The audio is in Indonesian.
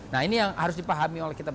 nah ini yang harus dipahami oleh kita